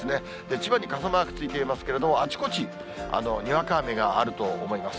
千葉に傘マークついていますけれども、あちこち、にわか雨があると思います。